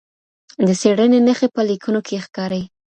د څېړني نښې په لیکنو کي ښکاري.